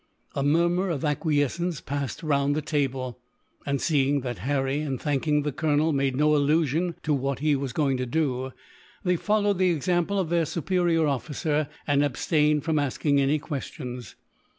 A murmur of acquiescence passed round the table and, seeing that Harry, in thanking the colonel, made no allusion to what he was going to do, they followed the example of their superior officer, and abstained from asking any questions.